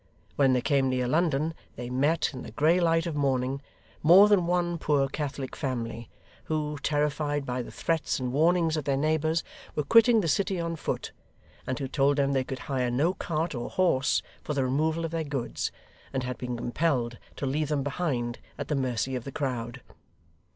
When they came near London they met, in the grey light of morning, more than one poor Catholic family who, terrified by the threats and warnings of their neighbours, were quitting the city on foot, and who told them they could hire no cart or horse for the removal of their goods, and had been compelled to leave them behind, at the mercy of the crowd.